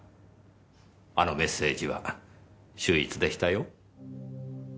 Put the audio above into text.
あのメッセージは秀逸でしたよ。